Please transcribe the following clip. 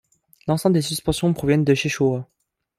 L'ensemble des suspensions proviennent de chez Showa.